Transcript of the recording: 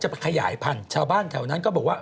ไปขยายพันธุ์ชาวบ้านแถวนั้นก็บอกว่า